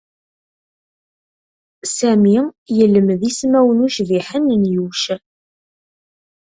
Sami yelmed ismawen ucbiḥen n Yuc.